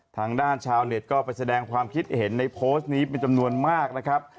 ทางด้านชาวเน็ตก็ไปแสดงความคิดเห็นในโพสต์นี้เป็นจำนวนมากนะครับ